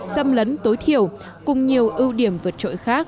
xâm lấn tối thiểu cùng nhiều ưu điểm vượt trội khác